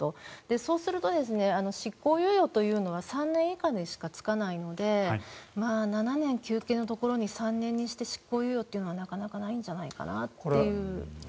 そうすると執行猶予は３年以下にしかつかないので７年求刑のところに３年にして執行猶予はなかなかないんじゃないかな。